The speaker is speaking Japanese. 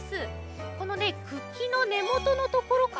このねくきのねもとのところからね